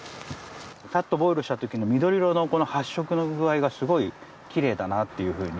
サッとボイルした時の緑色のこの発色の具合がすごいきれいだなっていうふうに。